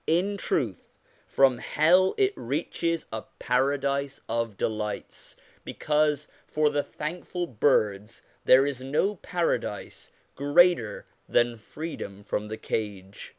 In truth, from hell it reaches a paradise of delights, because for the thankful birds there is no paradise greater than freedom from the cage.